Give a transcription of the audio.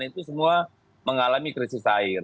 itu semua mengalami krisis air